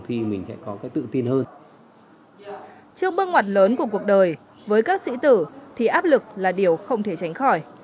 trước bước ngoặt lớn của cuộc đời với các sĩ tử thì áp lực là điều không thể tránh khỏi